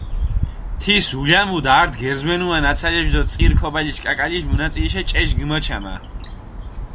თის ულამუდჷ ართ გერზვენუა ნაცალაშ დო წირ ქობალიშ კაკალიშ მუნაწიიშე ჭეშ გიმოჩამა.